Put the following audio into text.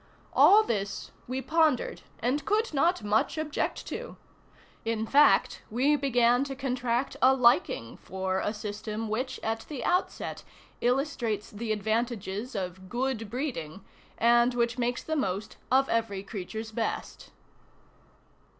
All this we pondered, and could not much object to. In fact, we began to contract a liking for a system which at the outset illustrates the advantages of good breeding, and which makes the most "of every creature's best."